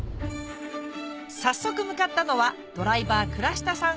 早速向かったのはドライバー倉下さん